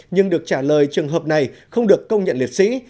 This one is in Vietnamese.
nhưng được trả lời trường hợp này không được công nhận liệt sĩ